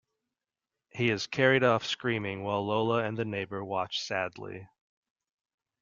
He is carried off screaming while Lola and the neighbor watch sadly.